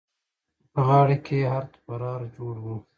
په غاړه کې يې ارت پرار جوړ وو.